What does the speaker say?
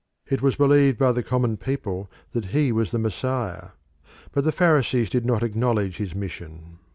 It was believed by the common people that he was the Messiah. But the Pharisees did not acknowledge his mission.